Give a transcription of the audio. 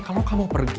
kamu mau pergi